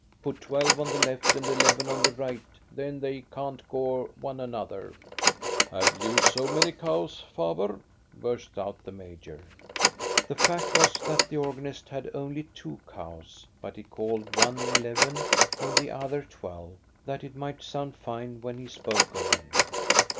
" Put twelve on the left and eleven on the right, then they can't gore one another." " Have you so many cows, Faber? " bursts out the major. The fact was that the organist had only two cows, 132 THE STORY OF GO ST A BE RUNG but he called one eleven and the other twelve, that it might sound fine, when he spoke of them.